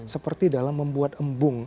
seperti dalam membuat embung